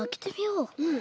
うん。